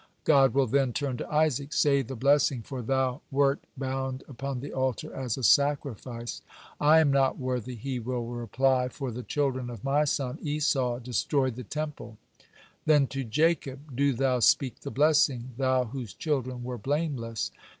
God will then turn to Isaac: "Say the blessing, for thou wert bound upon the altar as a sacrifice." "I am not worthy," he will reply, "for the children of my son Esau destroyed the Temple." Then to Jacob: "Do thou speak the blessing, thou whose children were blameless."